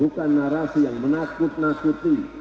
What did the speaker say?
bukan narasi yang menakut nakuti